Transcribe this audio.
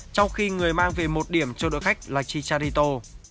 trong khi người mang về một điểm cho đội khách là chicharito